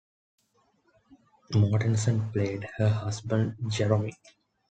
Mortensen played her husband, Jerome.